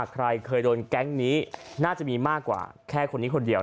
ใครเคยโดนแก๊งนี้น่าจะมีมากกว่าแค่คนนี้คนเดียว